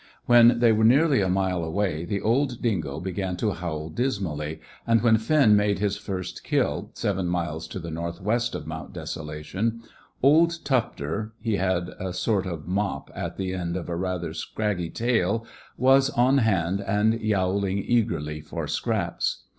When they were nearly a mile away, the old dingo began to howl dismally; and when Finn made his first kill, seven miles to the north west of Mount Desolation, old Tufter he had a sort of mop at the end of a rather scraggy tail was on hand, and yowling eagerly for scraps.